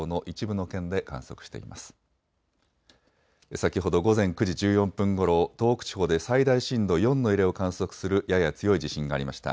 先ほど、午前９時１４分ごろ東北地方で最大震度４の揺れを観測するやや強い地震がありました。